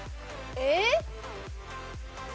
えっ！？